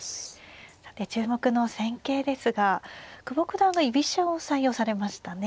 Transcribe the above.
さて注目の戦型ですが久保九段が居飛車を採用されましたね。